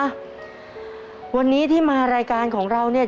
วันนี้ที่มารายการของเราเนี่ย